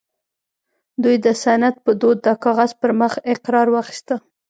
دوی د سند په دود د کاغذ پر مخ اقرار واخيسته